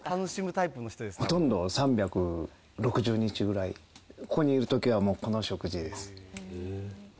ほとんど３６０日ぐらい、ここにいるときは、もう、この食事です。